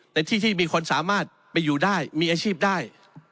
ในที่ที่มีคนสามารถไปอยู่ได้มีอาชีพได้